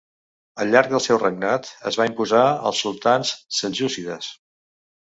Al llarg del seu regnat es va imposar als sultans seljúcides.